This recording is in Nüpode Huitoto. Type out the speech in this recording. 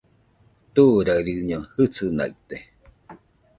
Turaɨriño jɨsɨnaite